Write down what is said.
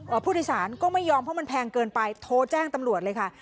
อ่าพูดศาลก็ไม่ยอมเพราะมันแพงเกินไปโทรแจ้งตำโหลดเลยค่ะ